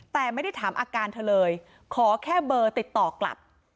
แต่ไม่ได้ถามอาการเธอเลยขอแค่เบอร์ติดต่อกลับ